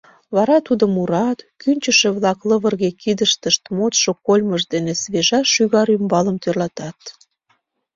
Вара тудым урат, кӱнчышӧ-влак лывырге кидыштышт модшо кольмышт дене свежа шӱгар ӱмбалым тӧрлатат.